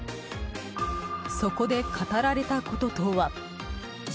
そこで語られたこととは？